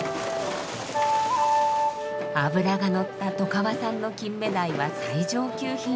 脂がのった外川産のキンメダイは最上級品。